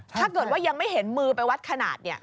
ถ้าเกิดว่ายังไม่เห็นมือไปวัดขนาด